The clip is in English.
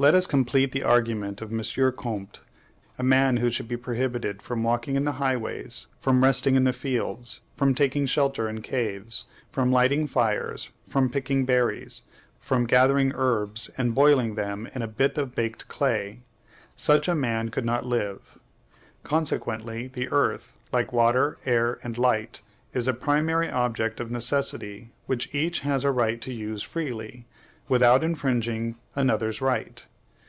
Let us complete the argument of M. Ch. Comte. A man who should be prohibited from walking in the highways, from resting in the fields, from taking shelter in caves, from lighting fires, from picking berries, from gathering herbs and boiling them in a bit of baked clay, such a man could not live. Consequently the earth like water, air, and light is a primary object of necessity which each has a right to use freely, without infringing another's right.